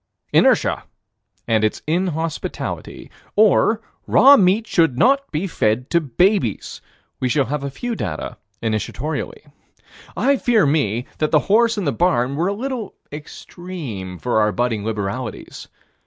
Inertia and its inhospitality. Or raw meat should not be fed to babies. We shall have a few data initiatorily. I fear me that the horse and the barn were a little extreme for our budding liberalities.